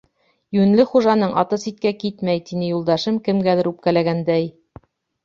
-Йүнле хужаның аты ситкә китмәй, — тине юлдашым, кемгәлер үпкәләгәндәй.